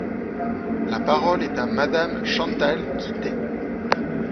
La parole est à Madame Chantal Guittet.